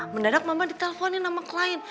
mendadak mama diteleponin nama klien